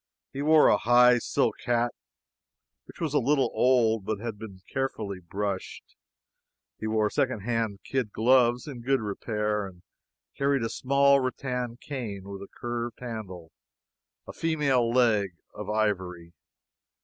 He wore a high silk hat which was a little old, but had been carefully brushed. He wore second hand kid gloves, in good repair, and carried a small rattan cane with a curved handle a female leg of ivory.